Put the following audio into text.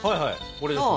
これですね。